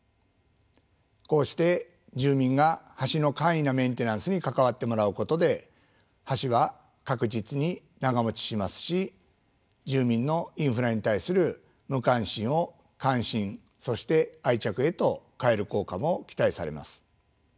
こうして住民が橋の簡易なメンテナンスに関わってもらうことで橋は確実に長もちしますし住民のインフラに対する無関心を関心そして愛着へと変える効果も期待されます。